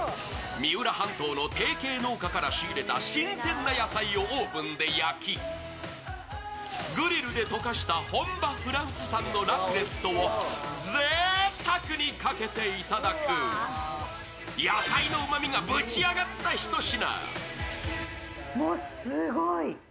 三浦半島の提携農家から仕入れた新鮮な野菜をオーブンで焼きグリルで溶かした本場フランス産のラクレットをぜいたくにかけて頂く野菜のうまみがブチ上がったひと品。